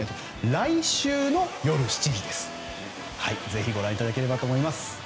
来週の夜７時ぜひご覧いただければと思います。